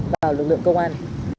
và lực lượng công an